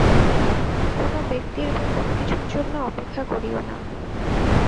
কোন ব্যক্তির বা কোন কিছুর জন্য অপেক্ষা করিও না।